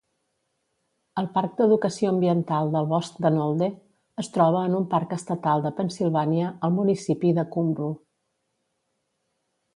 El parc d'educació ambiental del bosc de Nolde es troba en un parc estatal de Pennsilvània al municipi de Cumru.